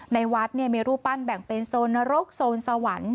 ในวัดมีรูปปั้นแบ่งเป็นโซนนรกโซนสวรรค์